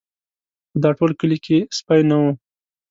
په دا ټول کلي کې سپی نه و.